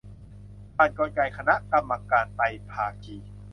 ผ่านกลไกคณะกรรมการไตรภาคี